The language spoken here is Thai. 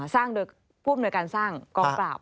สร้างโดยภูมิในการสร้างกองปราบ